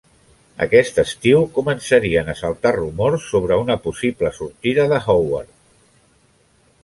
Aquest estiu començarien a saltar rumors sobre una possible sortida de Howard.